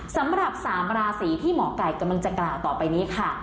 สำหรับ๓ราศีที่หมอไก่กำลังจะกล่าวต่อไปนี้ค่ะ